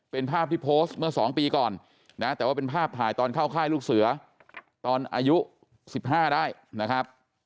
เป็นภาพที่โพสต์เมื่อ๒ปีก่อนนะแต่ว่าเป็นภาพถ่ายตอนเข้าค่ายลูกเสือตอนอายุ๑๕ได้นะครับ